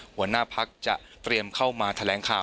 หัวหน้าพักจะเตรียมเข้ามาแถลงข่าว